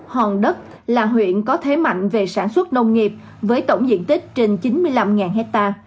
hòn đất là huyện có thế mạnh về sản xuất nông nghiệp với tổng diện tích trên chín mươi năm ha